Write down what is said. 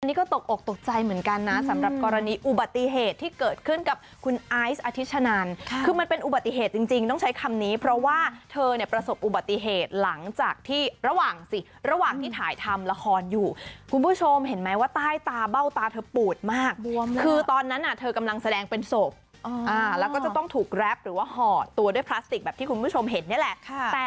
นี่ก็ตกอกตกใจเหมือนกันนะสำหรับกรณีอุบัติเหตุที่เกิดขึ้นกับคุณไอซ์อธิชนันคือมันเป็นอุบัติเหตุจริงต้องใช้คำนี้เพราะว่าเธอเนี่ยประสบอุบัติเหตุหลังจากที่ระหว่างสิระหว่างที่ถ่ายทำละครอยู่คุณผู้ชมเห็นไหมว่าใต้ตาเบ้าตาเธอปูดมากคือตอนนั้นเธอกำลังแสดงเป็นศพแล้วก็จะต้องถูกแรปหรือว่าห่อตัวด้วยพลาสติกแบบที่คุณผู้ชมเห็นนี่แหละ